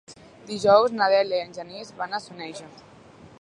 Dijous na Dèlia i en Genís van a Soneja.